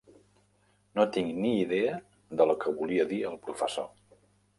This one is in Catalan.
No tinc ni idea de lo que volia dir el professor.